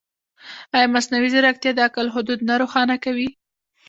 ایا مصنوعي ځیرکتیا د عقل حدود نه روښانه کوي؟